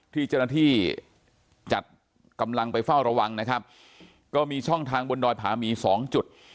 ที่เจ้าหน้าที่จัดกำลังไปเฝ้าระวังนะครับก็มีช่องทางบนดอยผามีสองจุด